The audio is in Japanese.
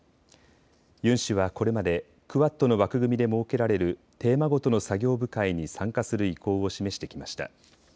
ユン氏はこれまでクアッドの枠組みで設けられるテーマごとの作業部会に参加する意向を示してきました。